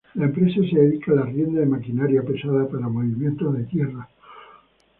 La empresa se dedica al arriendo de maquinaria pesada para movimiento de tierra.